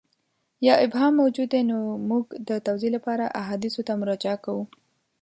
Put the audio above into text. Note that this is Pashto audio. یا ابهام موجود وي نو موږ د توضیح لپاره احادیثو ته مراجعه کوو.